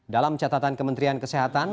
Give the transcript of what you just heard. dalam catatan kementerian kesehatan